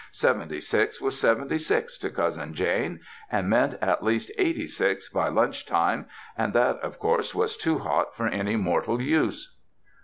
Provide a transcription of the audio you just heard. Seventy six was seventy six to Cousin Jane, and meant at least eighty six by lunch time, and that of course was too hot for any mortal use.